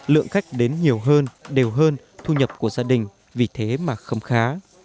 lượng khách đến nhiều hơn đều hơn thu nhập của gia đình vì thế mà khấm khá